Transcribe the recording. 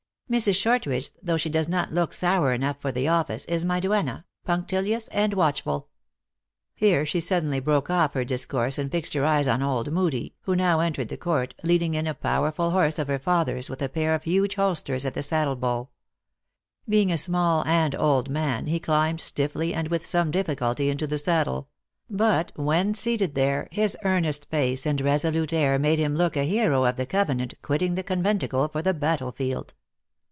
Mrs. Shortridge, though she does not look sour enough for the office, is my duenna, punctilious and watch ful " Here she suddenly broke off her discourse, and fixed her eyes on old Moodie, who now entered the court, leading in a powerful horse of her father s, with a pair of huge holsters at the saddle bow. Being a small and an old man, he climbed stiffly and with some difficulty into the saddle ; but, when seated 118 THE ACTRESS IN HIGH LIFE. there, his earnest face and resolute air made him look a hero of the covenant quitting the conventicle for the battle field.